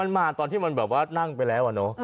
มันมาตอนที่มันแบบว่านั่งไปแล้วอะเนอะ